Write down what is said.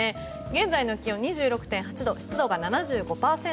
現在の気温２６．８度湿度が７５％。